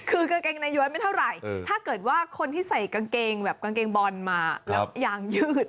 คือกางเกงในย้อยไม่เท่าไหร่ถ้าเกิดว่าคนที่ใส่กางเกงแบบกางเกงบอลมาแล้วยางยืด